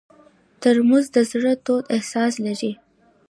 ترموز د زړه تود احساس لري.